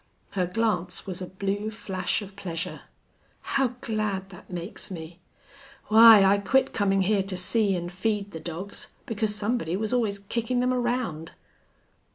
Her glance was a blue flash of pleasure. "How glad that makes me! Why, I quit coming here to see and feed the dogs because somebody was always kicking them around."